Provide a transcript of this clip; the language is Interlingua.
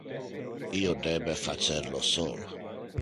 Io debe facer lo sol.